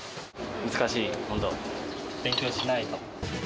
難しい、本当、勉強しないと。